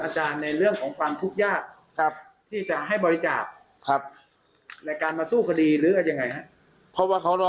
จะร้องไห้เลยค่ะพี่เบิร์ร